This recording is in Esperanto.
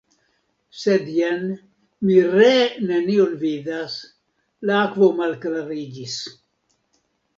Sed, jen, mi ree nenion vidas, la akvo malklariĝis!